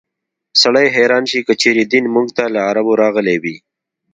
سړی حیران شي که چېرې دین موږ ته له عربو راغلی وي.